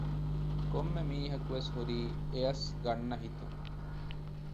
ކޮންމެ މީހަކު ވެސް ހުރީ އެއަސް ގަންނަހިތުން